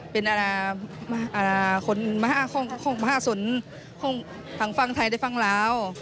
เป็นคนมหาสนของทางฝั่งไทยได้ฟังลาว